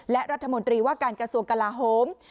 และรัฐมนตรีว่าการกระทรวงกลาโฮม